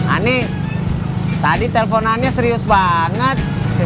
ani tadi telponannya serius banget